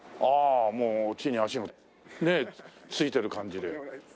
ああもう地に足もね着いてる感じで。